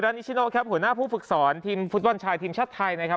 นิชิโนครับหัวหน้าผู้ฝึกสอนทีมฟุตบอลชายทีมชาติไทยนะครับ